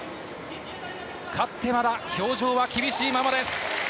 勝ってもまだ表情は厳しいままです。